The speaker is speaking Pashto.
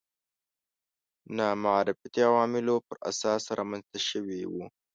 نامعرفتي عواملو پر اساس رامنځته شوي وو